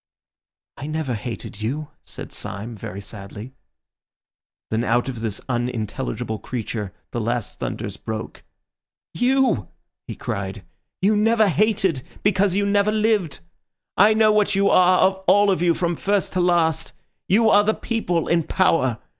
"I never hated you," said Syme very sadly. Then out of this unintelligible creature the last thunders broke. "You!" he cried. "You never hated because you never lived. I know what you are all of you, from first to last—you are the people in power!